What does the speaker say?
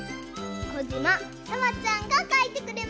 こじまさわちゃんがかいてくれました。